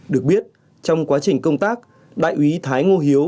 được biết trong quá trình công tác đại úy thái ngô hiếu